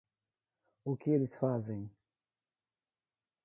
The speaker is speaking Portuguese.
O que eles fazem